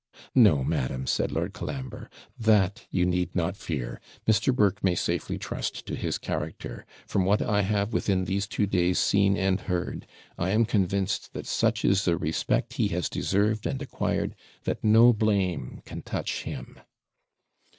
'No, madam,' said Lord Colambre; 'that you need not fear; Mr. Burke may safely trust to his character; from what I have within these two days seen and heard, I am convinced that such is the respect he has deserved and acquired, that no blame can touch him.'